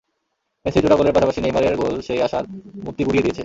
মেসির জোড়া গোলের পাশাপাশি নেইমারের গোল সেই আশার মূর্তি গুঁড়িয়ে দিয়েছে।